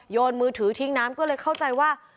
นมือถือทิ้งน้ำก็เลยเข้าใจว่า